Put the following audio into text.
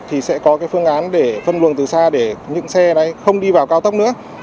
thì sẽ có phương án phân luồng từ xa để những xe không đi vào cao tốc nữa